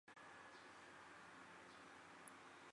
ตอนนี้ฉันอยู่ในความดูแลอย่างเด็ดเดี่ยว